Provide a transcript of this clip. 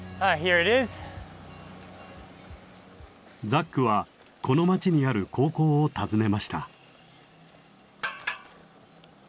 ザックはこの町にある高校を訪ねました。